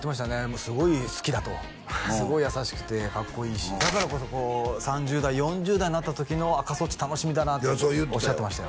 もうすごい好きだとすごい優しくてかっこいいしだからこそこう３０代４０代になった時の赤楚っち楽しみだなっておっしゃってましたよ